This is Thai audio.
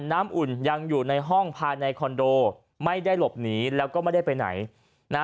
น้ำอุ่นยังอยู่ในห้องภายในคอนโดไม่ได้หลบหนีแล้วก็ไม่ได้ไปไหนนะ